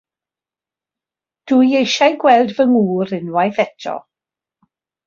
Dw i eisiau gweld fy ngŵr unwaith eto.